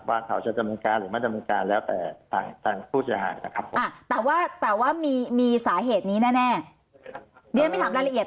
ว่าเขาจะจำนวนการหรือไม่จำนวนการแล้วแต่ต่างพูดอย่างหากนะครับ